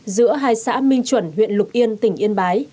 giữa hai xã minh chuẩn huyện lục yên tỉnh yên bái